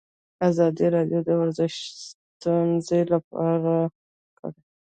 ازادي راډیو د ورزش ستونزې راپور کړي.